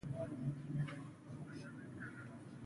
ډېر خوند یې وکړ.